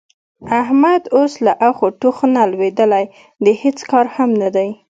احمد اوس له اخ او ټوخ نه لوېدلی د هېڅ کار هم نه دی.